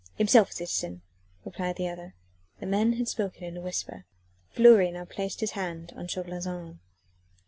"Himself, citizen," replied the other. The men had spoken in a whisper. Fleury now placed his hand on Chauvelin's arm.